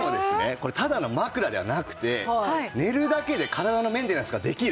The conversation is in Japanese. これただの枕ではなくて「寝るだけで身体のメンテナンスができる」